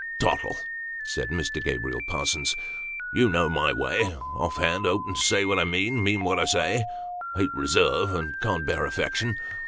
" Tottle," said Mr. Gabriel Parsons, " you know my way off hand, open, say what I mean, mean what I say, hate reserve, and can't bear affectation.